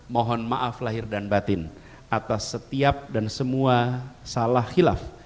mohon maaf lahir dan batin atas setiap dan semua salah hilaf